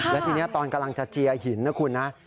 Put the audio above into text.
และทีนี้ตอนกำลังจะเจียหินนะคุณนะ